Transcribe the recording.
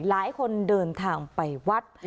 หลายคนเดินทางไปวัด